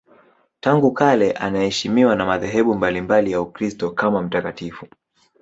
Tangu kale anaheshimiwa na madhehebu mbalimbali ya Ukristo kama mtakatifu.